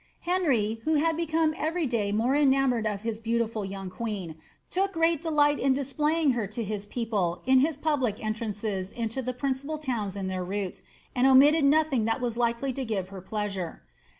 Henr}', who became every day more enamoured of his beautiful young queen, took great delight in displaying her to his people in his public entrances into the principal towns in their route, and omitted nothing that was likely to give her pleasure.